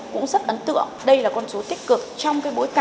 cũng rất ấn tượng đây là con số tích cực trong bối cảnh khó khăn